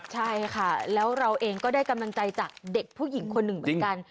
ใช่ค่ะแล้วเราเองก็ได้กำลังใจจากเด็กผู้หญิงคนหนึ่งเหมือนกัน